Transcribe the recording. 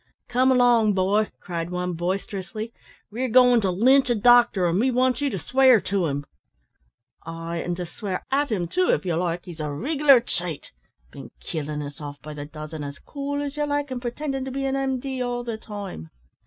"Come along, boy," cried one, boisterously; "we're goin' to lynch a doctor, an' we want you to swear to him." "Ay, an' to swear at him too, if ye like; he's a rig'lar cheat; bin killin' us off by the dozen, as cool as ye like, and pretendin' to be an M.D. all the time."